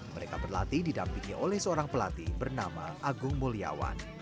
mereka berlatih didampingi oleh seorang pelatih bernama agung mulyawan